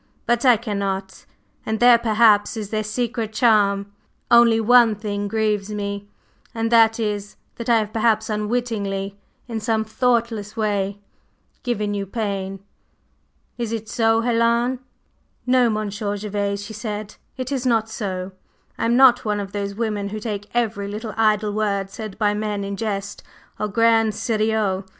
But I cannot, and there, perhaps, is their secret charm. Only one thing grieves me, and that is, that I have, perhaps, unwittingly, in some thoughtless way, given you pain; is it so, Helen?" She rose quickly, and with a quiet dignity held out her hand. "No, Monsieur Gervase," she said, "it is not so. I am not one of those women who take every little idle word said by men in jest au grand serieux!